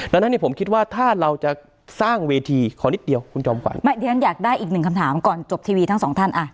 ดังนั้นเนี่ยผมคิดว่าถ้าเราจะสร้างเวทีขอนิดเดียวคุณจอมขวัญไม่ดิฉันอยากได้อีกหนึ่งคำถามก่อนจบทีวีทั้งสองท่านอ่ะ